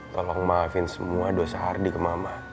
tolong maafin semua dosa ardi ke mama